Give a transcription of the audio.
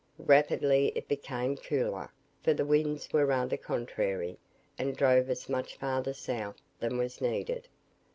Rapidly it became cooler, for the winds were rather contrary, and drove us much farther south than was needed.